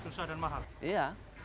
susah dan mahal